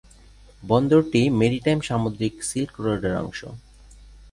বন্দরটি maritime সামুদ্রিক silk রোডের অংশ।